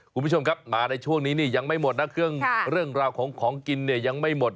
คุณผู้ชมครับมาในช่วงนี้นี่ยังไม่หมดนะเครื่องเรื่องราวของของกินเนี่ยยังไม่หมด